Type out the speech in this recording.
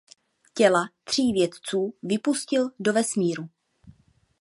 Těla tří vědců vypustil do vesmíru.